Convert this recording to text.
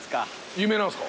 有名なんすか？